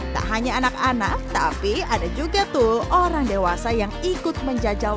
tak hanya anak anak tapi ada juga tuh orang dewasa yang ikut menjajal